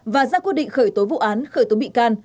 và ra quyết định khởi tố vụ án khởi tố bị can